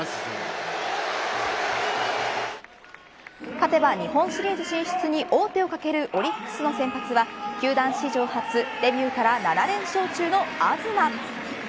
勝てば日本シリーズ進出に王手をかけるオリックスの先発は球団史上初デビューから７連勝中の東。